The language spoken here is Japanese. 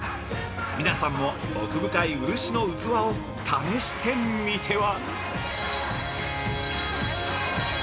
皆さんも、奥深い漆の器を試してみては？